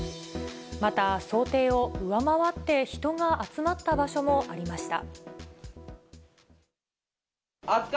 また、想定を上回って人が集まった場所もありました。